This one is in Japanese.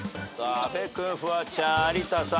阿部君フワちゃん有田さん。